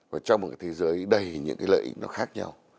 và trong một thế giới đầy những lợi ích khác nhau